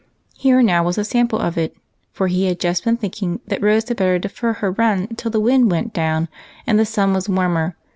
Here now was a sample of it, for he had just been thinking that Rose had better defer her run till the wind went down and the sun was warmer.